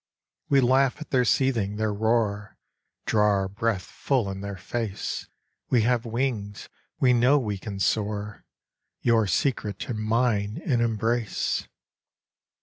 We laugh at their seething, their roar, Draw our breath full in their face; We have wings, we know we can soar, Your secret and mine in embrace!